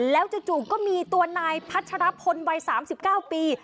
แล้วจู่ก็มีตัวนายพัชรพลวัย๓๙ปี